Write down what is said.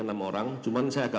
ini sudah dikasih terima kasih